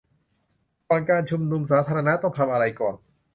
ก่อนการชุมนุมสาธารณะต้องทำอะไรก่อน